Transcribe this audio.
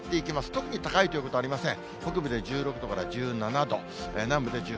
特に高いということはありません。